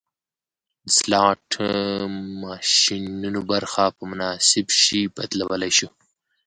د سلاټ ماشینونو برخه په مناسب شي بدلولی شو